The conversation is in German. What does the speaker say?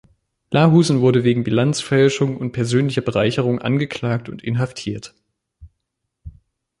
Lahusen wurde wegen Bilanzfälschung und persönlicher Bereicherung angeklagt und inhaftiert.